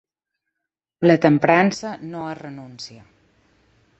La temprança no és renúncia.